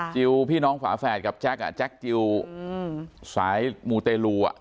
พี่น้องฝาแฝดกับแจ็คแจ็คจิลสายมูเตลู